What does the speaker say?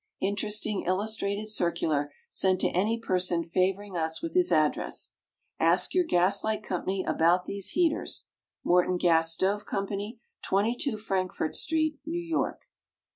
Interesting Illustrated Circular sent to any person favoring us with his address. Ask your Gas Light Co. about these Heaters. MORTON GAS STOVE CO., 22 Frankfort Street, NEW YORK.